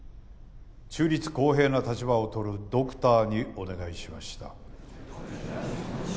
中立公平な立場をとるドクターにお願いしました。